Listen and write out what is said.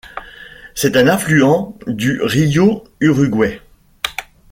C'est un affluent du rio Uruguai.